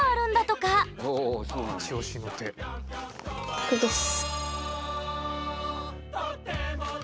これです。